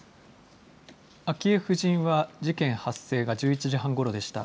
昭恵夫人は、事件発生が１１時半ごろでした。